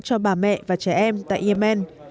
cho bà mẹ và trẻ em tại yemen